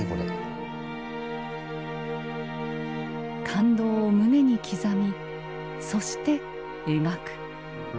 感動を胸に刻みそして描く。